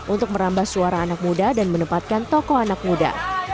untuk merambah suara anak muda dan menempatkan tokoh anak muda